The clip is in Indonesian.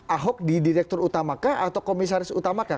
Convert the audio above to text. ahok di direktur utamakah atau komisaris utamakah